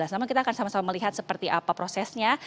namun kita akan sama sama melihat seperti apa prosesnya